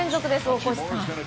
大越さん。